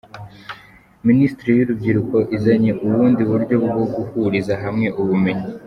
Minisiteri y’urubyiruko izanye ubundi buryo bwo guhuriza hamwe ubumenyi